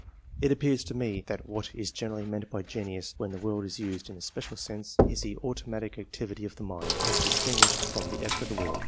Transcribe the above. /It appears to me, that what is generally meant by genius, when the word is used in a special sense, is the automatic activity of the mind, as distin guished from the effort of the will.